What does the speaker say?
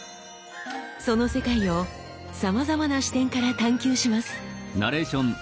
その世界をさまざまな視点から探究します。